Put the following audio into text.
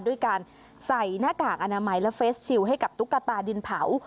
ด้วยการใส่หน้ากากอนามัยและเฟสชิลให้กับตุ๊กตาดินเผา